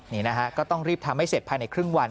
นี่นะฮะก็ต้องรีบทำให้เสร็จภายในครึ่งวัน